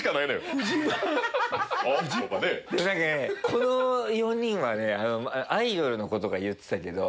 この４人はねアイドルの子とか言ってたけど。